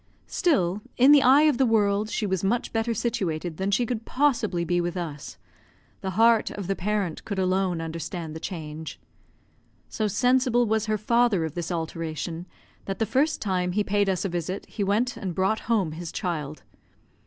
Still, in the eye of the world, she was much better situated than she could possibly be with us. The heart of the parent could alone understand the change. So sensible was her father of this alteration, that the first time he paid us a visit he went and brought home his child.